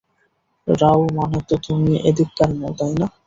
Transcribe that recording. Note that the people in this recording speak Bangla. রাও মানে তো তুমি এদিককার নও, তাই না?